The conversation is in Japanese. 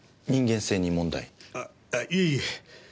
あっいえいえ。